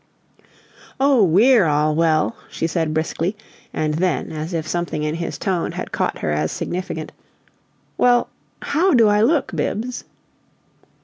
"Oh, WE're all well," she said, briskly; and then, as if something in his tone had caught her as significant, "Well, HOW do I look, Bibbs?"